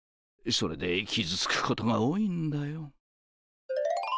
それで傷つくことが多いんだよ。